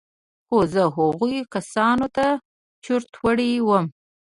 خو زه هغو کسانو ته چورت وړى وم.